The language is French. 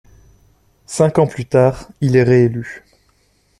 Cinq ans plus tard, il est réélu.